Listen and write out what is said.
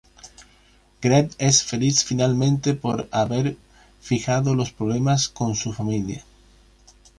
Greg es feliz finalmente por haber fijado los problemas con su familia.